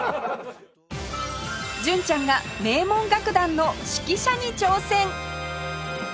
純ちゃんが名門楽団の指揮者に挑戦！